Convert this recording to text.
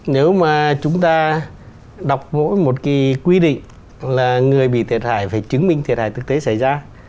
nếu mà chúng ta đọc mỗi một cái quy định là người bị thiệt hại phải chứng minh thiệt hại thực tế xảy ra